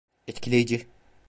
Etkileyici.